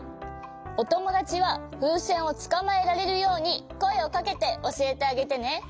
おともだちはふうせんをつかまえられるようにこえをかけておしえてあげてね！